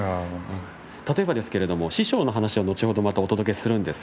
例えばですけど師匠の話は後ほどお届けします。